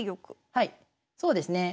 はいそうですね。